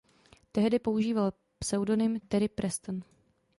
Tehdy používal pseudonym Terry Preston.